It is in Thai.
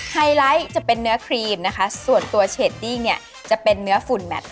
ไฮไลท์จะเป็นเนื้อครีมส่วนตัวเชดดิ้งจะเป็นเนื้อฝุ่นแมตต์